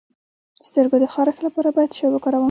د سترګو د خارښ لپاره باید څه شی وکاروم؟